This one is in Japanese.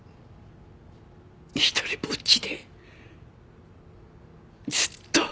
独りぼっちでずっと。